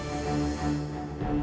oh pelajaran pelajaran